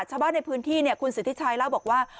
ชาวบ้านในพื้นที่เนี่ยคุณศือทิชชัยเล่าบอกว่า